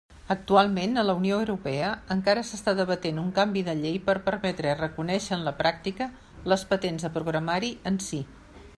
Actualment, a la Unió Europea encara s'està debatent un canvi de llei per permetre i reconèixer en la pràctica les patents de programari en si.